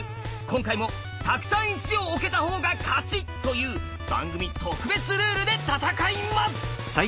今回も「たくさん石を置けたほうが勝ち」という番組特別ルールで戦います！